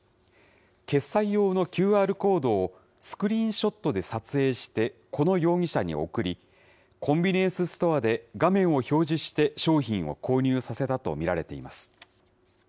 決済用のＱＲコードをスクリーンショットで撮影して、この容疑者に送り、コンビニエンスストアで画面を表示して、商品を購入させたと見られています。